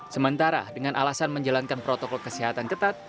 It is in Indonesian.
sementara dengan alasan menjalankan protokol kesehatan ketat